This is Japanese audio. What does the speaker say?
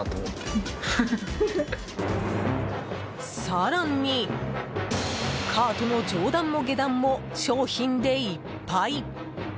更にカートの上段も下段も商品でいっぱい！